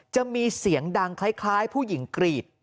จะมีเสียงดังคล้ายผู้หญิงกรีด